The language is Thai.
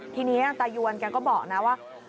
ทีนี้ตายวนแกก็บอกนะว่า